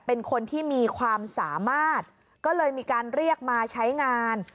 เป็นคนที่มีความสามารถก็เลยมีการเรียกมาใช้งาน